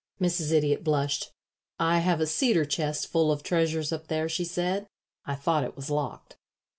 Mrs. Idiot blushed. "I have a cedar chest full of treasures up there," she said. "I thought it was locked."